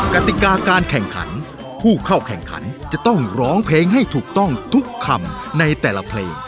กติกาการแข่งขันผู้เข้าแข่งขันจะต้องร้องเพลงให้ถูกต้องทุกคำในแต่ละเพลง